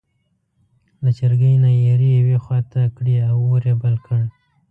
له چرګۍ نه یې ایرې یوې خوا ته کړې او اور یې بل کړ.